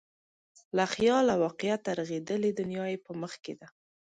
له خیال او واقعیته رغېدلې دنیا یې په مخ کې ده.